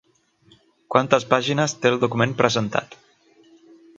Quantes pàgines té el document presentat?